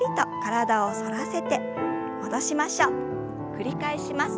繰り返します。